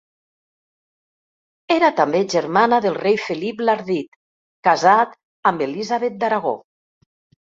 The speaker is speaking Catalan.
Era també germana del rei Felip l'Ardit casat amb Elisabet d'Aragó.